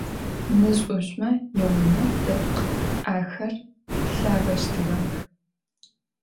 Нэжъ-ӏужъмэ яунэ дэпкъ ахэр пылъагъэщтыгъэх.